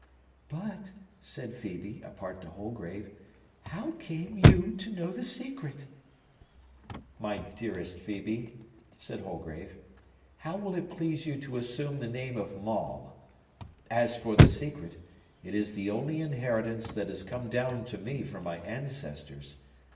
"But," said Phœbe, apart to Holgrave, "how came you to know the secret?" "My dearest Phœbe," said Holgrave, "how will it please you to assume the name of Maule? As for the secret, it is the only inheritance that has come down to me from my ancestors.